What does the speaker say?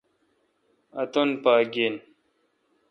اتن پا گیہ۔